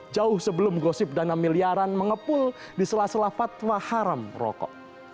jauh sebelum gosip dana miliaran mengepul di sela sela fatwa haram rokok